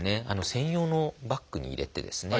専用のバッグに入れてですね